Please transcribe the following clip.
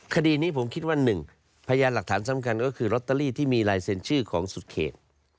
คดีนี้ผมคิดว่า๑พยานหลักฐานสำคัญก็คือลอตเตอรี่ที่มีลายเซ็นชื่อของสุดเขต